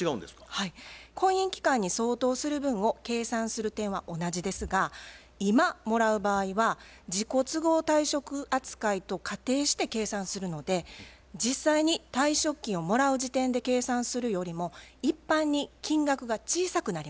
はい婚姻期間に相当する分を計算する点は同じですが今もらう場合は自己都合退職扱いと仮定して計算するので実際に退職金をもらう時点で計算するよりも一般に金額が小さくなります。